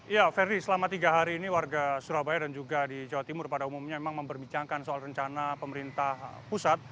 ya ferdi selama tiga hari ini warga surabaya dan juga di jawa timur pada umumnya memang membicarakan soal rencana pemerintah pusat